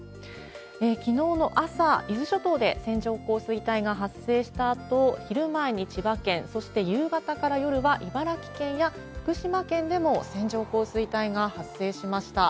きのうの朝、伊豆諸島で線状降水帯が発生したあと、昼前に千葉県、そして夕方から夜は茨城県や福島県でも線状降水帯が発生しました。